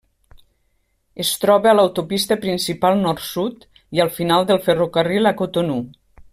Es troba a l'autopista principal nord-sud i al final del ferrocarril a Cotonou.